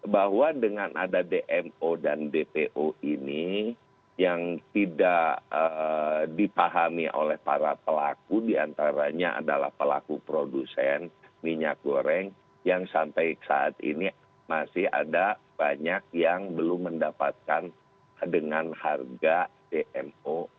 bahwa dengan ada dmo dan dpo ini yang tidak dipahami oleh para pelaku diantaranya adalah pelaku produsen minyak goreng yang sampai saat ini masih ada banyak yang belum mendapatkan dengan harga dmo